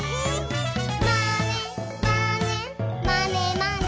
「まねまねまねまね」